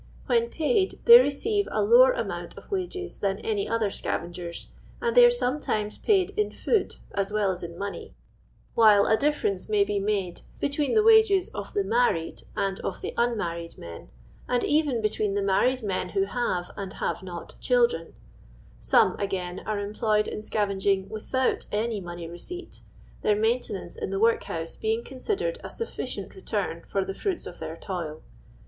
When paid, they receive a lower amount of wages than any other scavengers, and they are some times p<iid in food as well as in money, while a difference may be made between the wages of the LOJfDOy LABOUR AND TEE LONDON POOR, 200 BUirried and af the unmazTied men, and even be tween the married men who liave and have not children; some, again, are employed in Bcavenging without any money receipt, their maintenance in the workhouse being considered a sufficient re turn for the fruits of their toil.